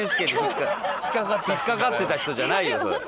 引っかかってた人じゃないよそれ。